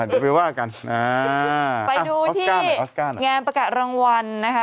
ได้สิไปดูที่งานประกาศรางวัลนะคะ